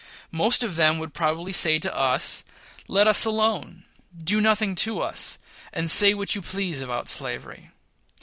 Most of them would probably say to us, "Let us alone, do nothing to us, and say what you please about slavery."